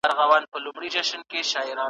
تاسو کولای سئ چي په کور کي کمپيوټر زده کړئ.